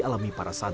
jadi kita berdepan